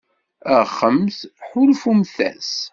Axemt, ḥulfumt-as.